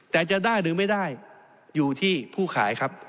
แต่จะได้หรือไม่ได้อยู่ที่ผู้ขายครับ